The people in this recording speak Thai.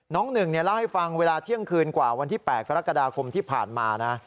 หนึ่งเล่าให้ฟังเวลาเที่ยงคืนกว่าวันที่๘กรกฎาคมที่ผ่านมานะ